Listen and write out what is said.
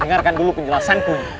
dengarkan dulu penjelasanku